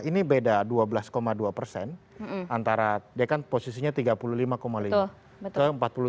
ini beda dua belas dua persen antara dia kan posisinya tiga puluh lima lima ke empat puluh tujuh